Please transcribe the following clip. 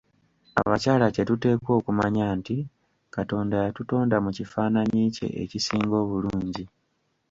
Abakyala kye tuteekwa okumanya nti Katonda yatutonda mu kifaananyi kye ekisinga obulungi.